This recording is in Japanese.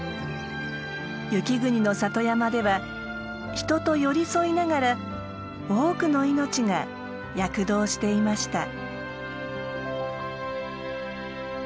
雪国の里山では人と寄り添いながら多くの命が躍動していました。